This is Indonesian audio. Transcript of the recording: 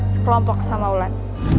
sekelompok sama wulan